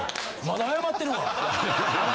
まだ謝ってる！